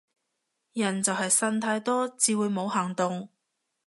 人就係呻太多至會冇行動